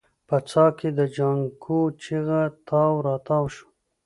په څاه کې د جانکو چيغه تاو راتاو شوه.